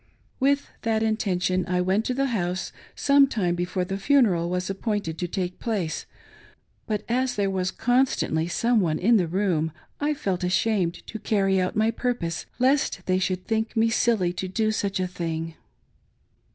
With that intention I 450 POOR CARRIES RING. went to the house,, some time before the funeral was appointed to take place, but, as there was constantly some one in, the room, I felt ashamed to carry out my purpose, lest they should think me silly to do such a thing.